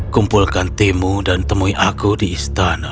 kumpulkan timu dan temui aku di istana